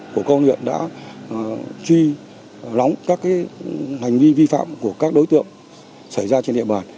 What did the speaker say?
bộ công luyện đã truy lóng các cái hành vi vi phạm của các đối tượng xảy ra trên địa bàn